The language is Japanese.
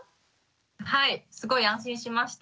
はいすごい安心しました。